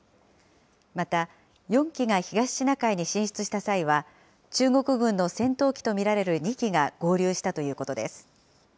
また、４機が東シナ海に進出した際は、中国軍の戦闘機と見られる２機が合流したということです。